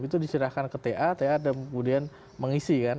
itu disertikan ke ta ta kemudian mengisi kan